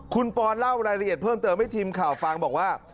คุณปอนเล่ารายละเอียดเพิ่มเติมให้ทีมข่าวฟังบอกว่า